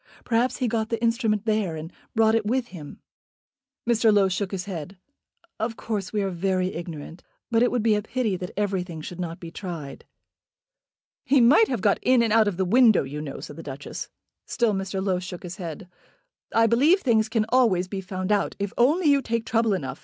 "Perhaps he got the instrument there, and brought it with him." Mr. Low shook his head. "Of course we are very ignorant; but it would be a pity that everything should not be tried." "He might have got in and out of the window, you know," said the Duchess. Still Mr. Low shook his head. "I believe things can always be found out, if only you take trouble enough.